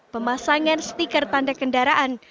pemasangan stiker tanda kendaraan